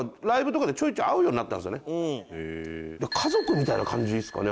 家族みたいな感じですかね